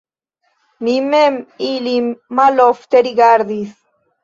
Mi mem ilin malofte rigardis.